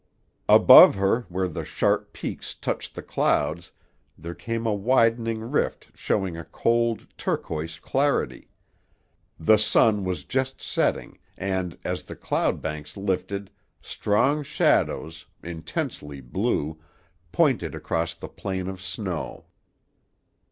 Above her, where the sharp peaks touched the clouds, there came a widening rift showing a cold, turquoise clarity. The sun was just setting and, as the cloud banks lifted, strong shadows, intensely blue, pointed across the plain of snow.